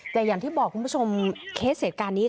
แต่อย่างที่บอกคุณผู้ชมเคสเหตุการณ์นี้